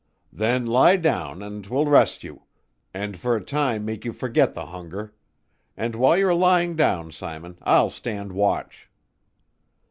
"Then lie down and 'twill rest you, and for a time make you forget the hunger. And while you're lying down, Simon, I'll stand watch."